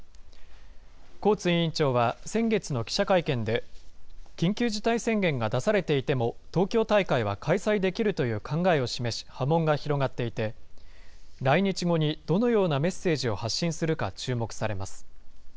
コーツ委員長は先月の記者会見で、緊急事態宣言が出されていても、東京大会は開催できるという考えを示し、波紋が広がっていて、来日後にどのようなメッセージを発信するか注目されます。